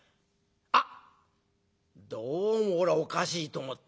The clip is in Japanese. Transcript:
あっどうもおらおかしいと思った。